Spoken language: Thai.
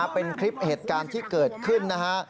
เป็นคลิปเหตุการณ์ที่เกิดขึ้นนะฮะ